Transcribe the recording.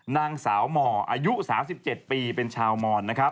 นางสาวหมออายุ๓๗ปีเป็นชาวหมอน